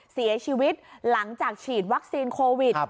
เสียชีวิตหลังจากฉีดวัคซีนโควิด